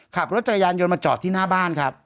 ขับรถจักรยานยนต์มาจอดที่หน้าบ้านครับ